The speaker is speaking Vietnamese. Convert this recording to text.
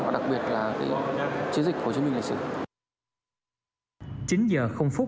và đặc biệt là cái chiến dịch hồ chí minh lịch sử